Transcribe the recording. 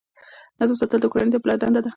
نظم ساتل د کورنۍ د پلار دنده ده.